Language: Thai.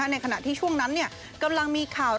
ในขณะที่ช่วงนั้นกำลังมีข่าว